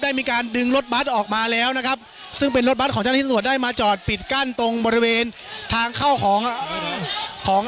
ได้มีการดึงรถบัตรออกมาแล้วนะครับซึ่งเป็นรถบัตรของเจ้าหน้าที่ตำรวจได้มาจอดปิดกั้นตรงบริเวณทางเข้าของของ